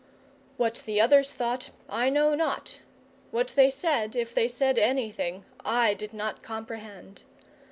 What the others thought I know not; what they said, if they said anything, I did not comprehend.